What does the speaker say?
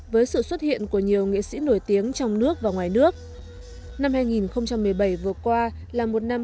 với sự xuất hiện của nhiều nghệ sĩ nổi tiếng trong nước và ngoài nước năm hai nghìn một mươi bảy vừa qua là một năm